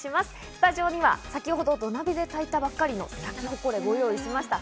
スタジオには先ほど土鍋で炊いたばっかりのサキホコレをご用意しました。